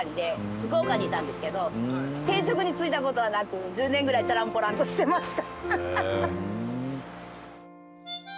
福岡にいたんですけど定職に就いた事はなく１０年ぐらいちゃらんぽらんとしてました。